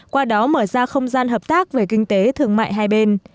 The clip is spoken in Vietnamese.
qua đó mở ra không gian hợp tác về kinh tế thương mại hai bên